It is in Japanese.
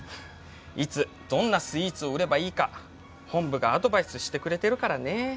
いつどんなスイーツを売ればいいか本部がアドバイスしてくれてるからね。